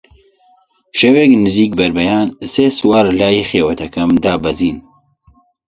شەوێک نزیکی بەربەیان سێ سوار لای خێوەتەکەم دابەزین